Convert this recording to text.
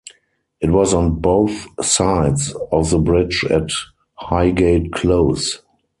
It was on both sides of the bridge at Highgate Close.